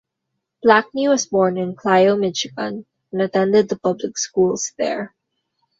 Blackney was born in Clio, Michigan, and attended the public schools there.